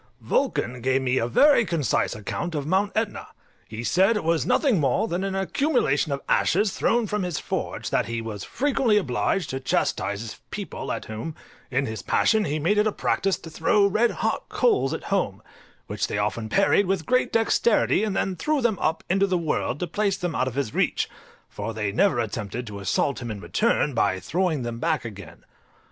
Vulcan gave me a very concise account of Mount Etna: he said it was nothing more than an accumulation of ashes thrown from his forge; that he was frequently obliged to chastise his people, at whom, in his passion, he made it a practice to throw red hot coals at home, which they often parried with great dexterity, and then threw them up into the world to place them out of his reach, for they never attempted to assault him in return by throwing them back again.